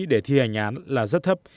để thi hành án là rất thấp